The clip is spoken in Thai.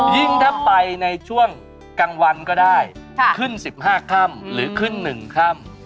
ยิ่งถ้าไปในช่วงกลางวันก็ได้ขึ้น๑๕ค่ำหรือขึ้น๑ค่ำ